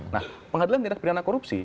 nah pengadilan tindak pidana korupsi